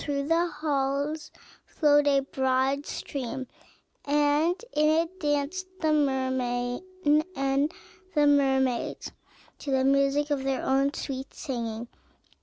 Through the halls flowed a broad stream, and in it danced the mermen and the mermaids to the music of their own sweet singing.